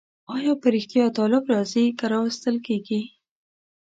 آیا په رښتیا طالب راځي که راوستل کېږي؟